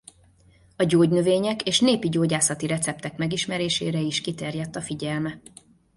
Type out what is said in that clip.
A gyógynövények és népi gyógyászati receptek megismerésére is kiterjedt a figyelme.